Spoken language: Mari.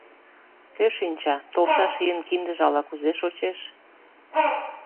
Кӧ шинча, толшаш ийын киндыже ала-кузе шочеш?..